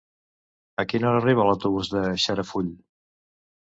A quina hora arriba l'autobús de Xarafull?